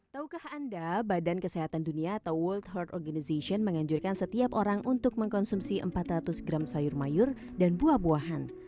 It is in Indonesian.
taukah anda badan kesehatan dunia atau world heart organization menganjurkan setiap orang untuk mengkonsumsi empat ratus gram sayur mayur dan buah buahan